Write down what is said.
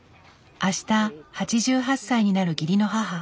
あした８８歳になる義理の母。